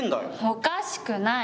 おかしくない。